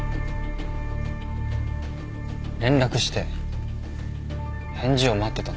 連絡して返事を待ってたんです。